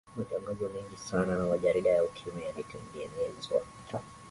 matangazo mengi sana na majarida ya ukimwi yalitengenezwa